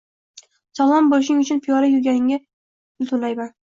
Sog‘lom bo‘lishing uchun piyoda yurganingga pul to‘laydigan